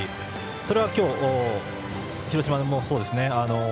それは今日の広島もそうですね。